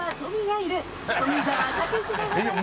富澤たけしでございます。